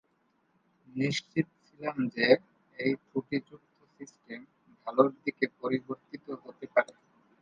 নিশ্চিত ছিলাম যে এই ত্রুটিযুক্ত সিস্টেম ভালোর দিকে পরিবর্তিত হতে পারে।